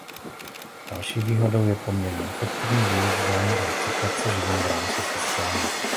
Další výhodou je poměrně efektivní využívání a recyklace živin v rámci systému.